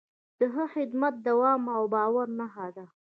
د ښه خدمت دوام د باور نښه ده.